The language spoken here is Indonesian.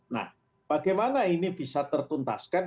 nah bagaimana ini bisa tertuntaskan